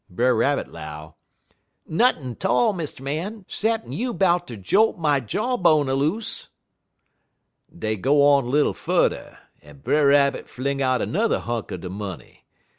Brer Rabbit 'low: "'Nothin' 't all, Mr. Man, 'ceppin' you 'bout ter jolt my jaw bone a loose.' "Dey go on little furder, en Brer Rabbit fling out 'n'er hunk er de money.